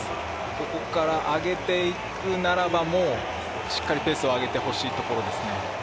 ここから上げていくならばもうしっかりペースを上げてほしいところですね。